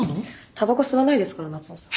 たばこ吸わないですから夏雄さん。